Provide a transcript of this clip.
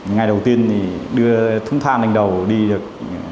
ngày đầu tiên thì đưa thúng than lên đầu đi được